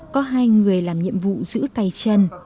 có hai người làm nhiệm vụ giữ cây chen